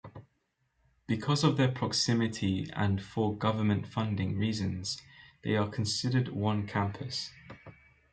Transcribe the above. Because of their proximity and for government funding reasons they are considered one campus.